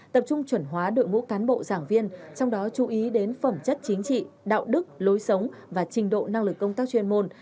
tập trung chuẩn hóa đội ngũ cán bộ giảng viên trong đó chú ý đến phẩm chất chính trị đạo đức lối sống và trình độ năng lực công tác chuyên môn